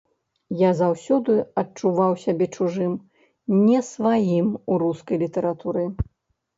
Я заўсёды адчуваў сябе чужым, не сваім у рускай літаратуры.